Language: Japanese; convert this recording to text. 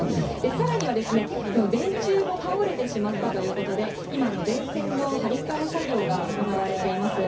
さらには電柱も倒れてしまったということで、今、電線の張り替え作業が行われています。